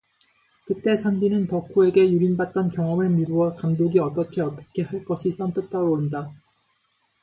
그때 선비는 덕호에게 유린받던 경험을 미루어 감독이 어떻게 어떻게 할 것이 선뜻 떠오른다.